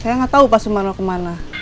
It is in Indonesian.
saya nggak tahu pak sumarno ke mana